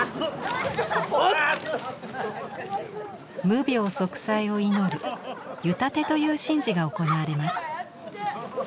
無病息災を祈る湯立という神事が行われます。